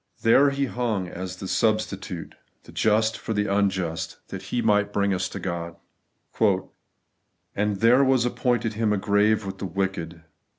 There He hung as the substitute, * the just for the unjust, that He might bring us to GoA* ' And there was appointed Him a grave with the wicked.